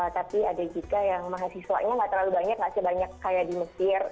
tapi ada juga yang mahasiswa ini nggak terlalu banyak nggak banyak kayak di mesir